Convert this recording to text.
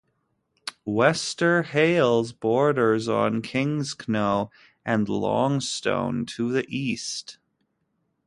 Wester Hailes borders on Kingsknowe and Longstone to the east.